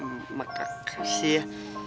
m m m maksa kasih ya